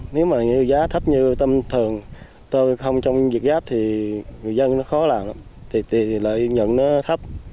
nếu mà giá thấp như tôm thường tôm không trong việt gáp thì người dân nó khó làm lợi nhuận nó thấp